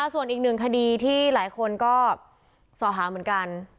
ส่วนอีกหนึ่งคดีที่หลายคนก็สอหาเหมือนกัน